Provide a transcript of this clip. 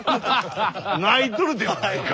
泣いとるではないか。